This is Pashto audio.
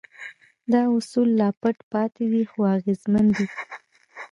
دا اصول لا پټ پاتې دي خو اغېزمن دي.